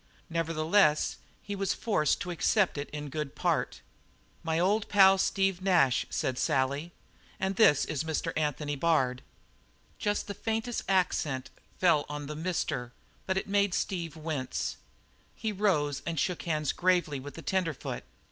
Nevertheless he was forced to accept it in good part. "My old pal, Steve Nash," said Sally, "and this is Mr. Anthony Bard." Just the faintest accent fell on the "Mr.," but it made Steve wince. He rose and shook hands gravely with the tenderfoot.